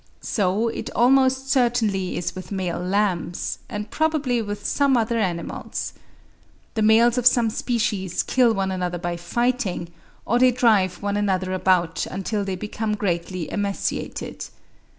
So it almost certainly is with male lambs, and probably with some other animals. The males of some species kill one another by fighting; or they drive one another about until they become greatly emaciated.